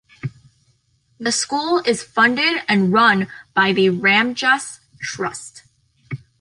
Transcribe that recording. The school is funded and run by the Ramjas Trust.